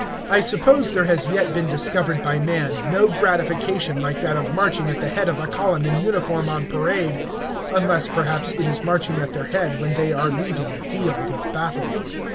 I suppose there has yet been discovered by man no gratification like that of marching at the head of a column in uniform on parade, unless, perhaps, it is marching at their head when they are leaving a field of battle.